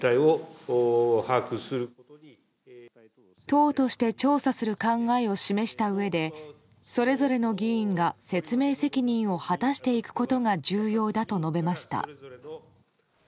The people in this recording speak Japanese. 党として調査する考えを示したうえでそれぞれの議員が説明責任を果たしていくことが重要だと述べました。